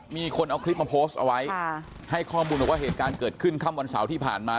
มีคนเอาคลิปมาโพสต์เอาไว้ให้ข้อมูลบอกว่าเหตุการณ์เกิดขึ้นค่ำวันเสาร์ที่ผ่านมา